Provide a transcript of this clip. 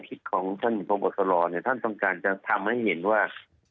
คิดของท่านพบตรเนี่ยท่านต้องการจะทำให้เห็นว่า